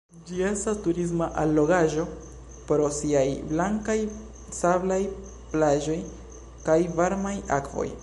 Ĝi estas turisma allogaĵo pro siaj blankaj sablaj plaĝoj kaj varmaj akvoj.